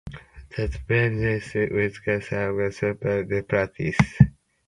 The bright white color suggests a composition of water ice particles.